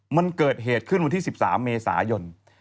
มันเกิดเหตุขึ้นวันที่๑๓เมษายน